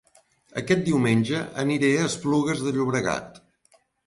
Aquest diumenge aniré a Esplugues de Llobregat